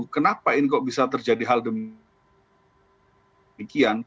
kenapa ini kok bisa terjadi hal demikian